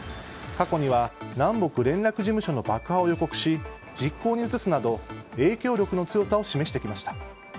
過去には南北連絡事務所の爆破を予告し、実行に移すなど影響力の強さを示してきました。